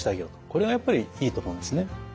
これがやっぱりいいと思うんですね。